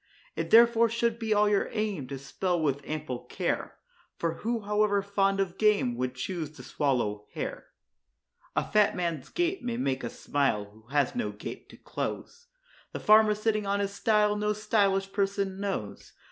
It therefore should be all your aim to spell with ample care; For who, however fond of game, would choose to swallow hair? A fat man's gait may make us smile, who has no gate to close; The farmer, sitting on his stile no _sty_lish person knows.